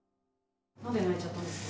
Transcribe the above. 何で泣いちゃったんですか？